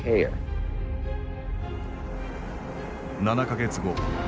７か月後。